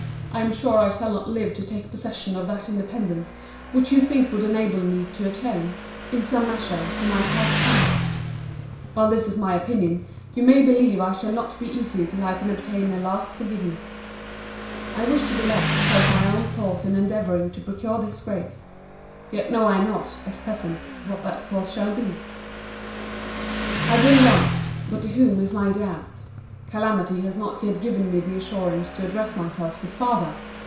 —I am sure I shall not live to take possession of that independence, which you think would enable me to atone, in some measure, for my past conduct. While this is my opinion, you may believe I shall not be easy till I can obtain a last forgiveness. I wish to be left to take my own course in endeavouring to procure this grace. Yet know I not, at present, what that course shall be. I will write. But to whom is my doubt. Calamity has not yet given me the assurance to address myself to my FATHER.